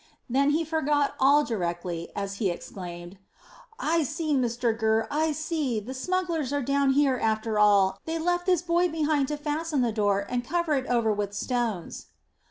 Then he forgot all directly, as he exclaimed, "I see, Mr Gurr, I see! The smugglers are down here after all, and they left this boy behind to fasten the door, and cover it over with stones."